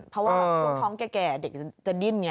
เพราะว่าช่วงท้องแก่เด็กจะดิ้นไง